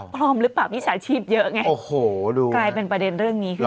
พร้อมหรือเปล่ามิจฉาชีพเยอะไงโอ้โหดูกลายเป็นประเด็นเรื่องนี้ขึ้น